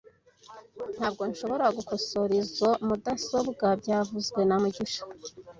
Ntabwo nshobora gukosora izoi mudasobwa byavuzwe na mugisha